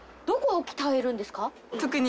特に。